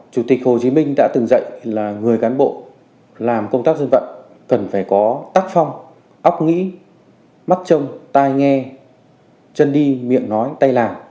chủ tịch hồ chí minh đã từng dạy là người cán bộ làm công tác dân vận cần phải có tác phong óc nghĩ mắt trông tai nghe chân đi miệng nói tay làm